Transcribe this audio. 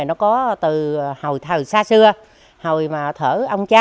để thu hút hơn